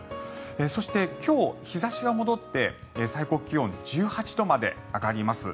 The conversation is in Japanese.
そして今日、日差しは戻って最高気温１８度まで上がります。